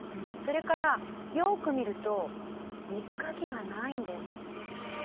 それからよく見ると水かきがないんです